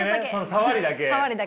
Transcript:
さわりだけ。